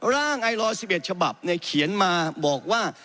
ไอรอย๑๑ฉบับเขียนมาบอกว่า